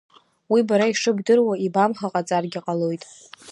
Уи бара ишыбдыруа ибамхаҟаҵаргьы ҟалоит.